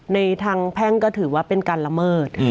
ในทางแพ่งก็ถือว่าเป็นการละเมิด